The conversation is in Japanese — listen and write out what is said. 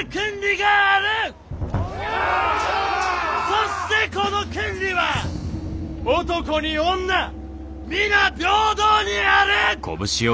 そしてこの権利は男に女皆平等にある！